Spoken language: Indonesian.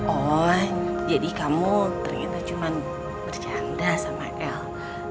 oh jadi kamu ternyata cuma bercanda sama el